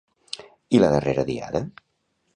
I la darrera diada?